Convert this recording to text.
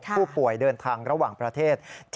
ผู้ป่วยเดินทางระหว่างประเทศ